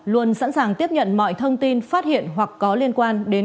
luôn sẵn sàng tiếp nhận mọi thông tin phát hiện hoặc có liên quan đến